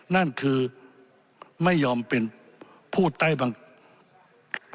นั่นคือไม่ยอมเป็นผู้ใต้บังคับ